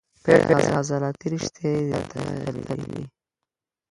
پېړې عضلاتي رشتې زیاتره غښتلي دي.